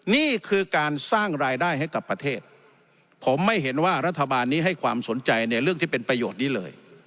นี่คือการสร้างรายได้ให้กับประเทศผมไม่เห็นว่ารัฐบาลนี้ให้ความสนใจในเรื่องที่เป็นประโยชน์นี้เลย